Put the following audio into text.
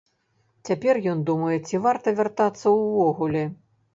Цяпер ён думае, ці варта вяртацца ўвогуле.